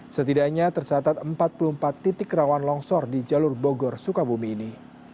setidaknya tersatat empat puluh empat titik rawan longsor di jalur bogor sukabumi ini